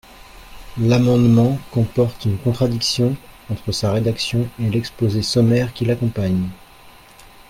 L’amendement comporte une contradiction entre sa rédaction et l’exposé sommaire qui l’accompagne.